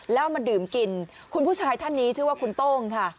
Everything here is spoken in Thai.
แล้วมาดื่มกินคุณผู้ชายท่านนี้ชื่อว่าคุณโต้งค่ะ